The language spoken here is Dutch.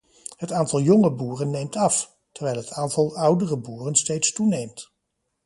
Het aantal jonge boeren neemt af, terwijl het aantal oudere boeren steeds toeneemt.